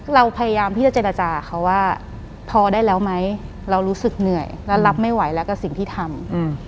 เราพยายามที่จะเจรจาเขาว่าพอได้แล้วไหมเรารู้สึกเหนื่อยและรับไม่ไหวแล้วกับสิ่งที่ทำ